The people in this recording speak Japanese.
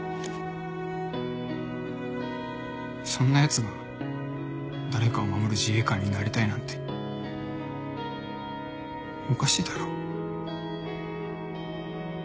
そんなやつが誰かを守る自衛官になりたいなんておかしいだろ。